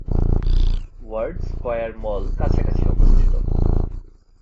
Word Square Mall কাছাকাছি অবস্থিত।